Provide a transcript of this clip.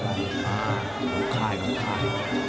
น้องคายน้องคาย